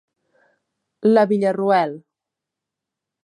La Villarroel.